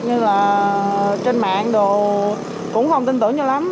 nhưng là trên mạng đồ cũng không tin tưởng như lắm